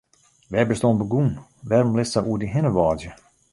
Wêr bist oan begûn, wêrom litst sa oer dy hinne wâdzje?